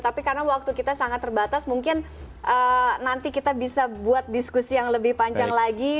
tapi karena waktu kita sangat terbatas mungkin nanti kita bisa buat diskusi yang lebih panjang lagi